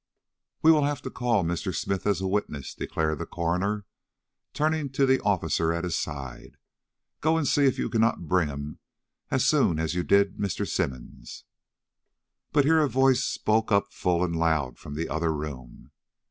"We will have to call Mr. Smith as a witness," declared the coroner, turning to the officer at his side. "Go and see if you cannot bring him as soon as you did Mr. Symonds." But here a voice spoke up full and loud from the other room.